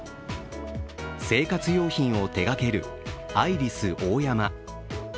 生活用品を手がけるアイリスオーヤマ。